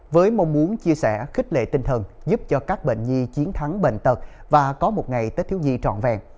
với mong muốn chia sẻ khích lệ tinh thần giúp cho các bệnh nhi chiến thắng bệnh tật và có một ngày tết thiếu nhi trọn vẹn